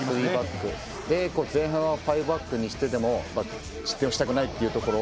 前半はファイブバックにしてでも失点はしたくないというところ。